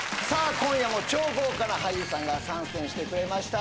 今夜も超豪華な俳優さんが参戦してくれました